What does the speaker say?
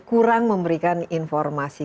kurang memberikan informasi